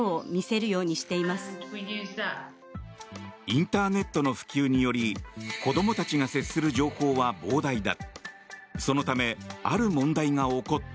インターネットの普及により子供たちが接する情報は膨大だ。